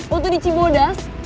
waktu di cibodas